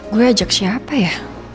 gue ajak siapa ya